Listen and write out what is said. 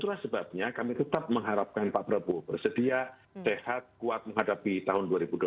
itulah sebabnya kami tetap mengharapkan pak prabowo bersedia sehat kuat menghadapi tahun dua ribu dua puluh